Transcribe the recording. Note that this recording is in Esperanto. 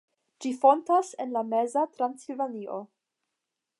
Ĝi fontas en la meza Transilvanio.